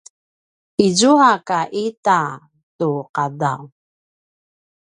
izua ka ita tu qadaw